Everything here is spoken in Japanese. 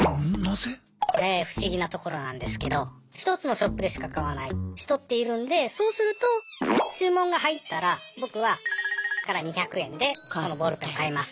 これ不思議なところなんですけど一つのショップでしか買わない人っているんでそうすると注文が入ったら僕はさんから２００円でこのボールペンを買います。